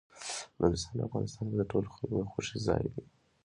نورستان په افغانستان کې د ټولو خلکو د خوښې ځای دی.